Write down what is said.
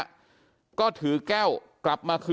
อยู่ดีมาตายแบบเปลือยคาห้องน้ำได้ยังไง